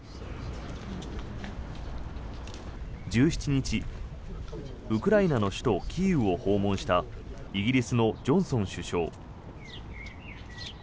１７日、ウクライナの首都キーウを訪問したイギリスのジョンソン首相。